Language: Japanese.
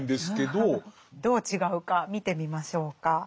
どう違うか見てみましょうか。